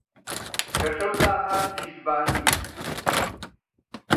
کە شەو داهات دیژبانی